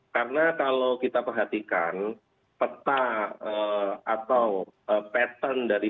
karena kalau kita perhatikan peta atau pattern dari